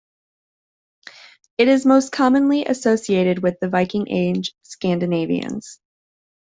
It is most commonly associated with Viking Age Scandinavians.